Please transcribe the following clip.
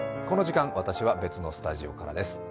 この時間、私は別のスタジオからです。